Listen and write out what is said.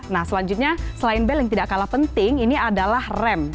nah selanjutnya selain bel yang tidak kalah penting ini adalah rem